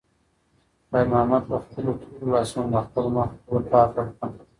خیر محمد په خپلو تورو لاسونو د خپل مخ خوله پاکه کړه.